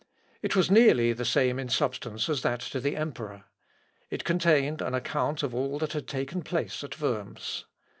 It was nearly the same in substance as that to the emperor. It contained an account of all that had taken place at Worms.